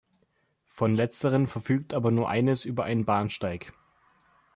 Von letzteren verfügt aber nur eines über einen Bahnsteig.